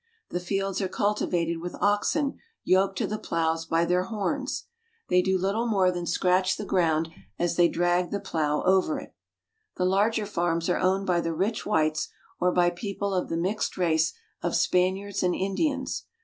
The fields are cultivated with oxen yoked to the plows by their horns. They do little more than scratch the ground as they drag the plow over it. The larger farms are owned by the rich whites or by peo ple of the mixed race of Spaniards and Indians.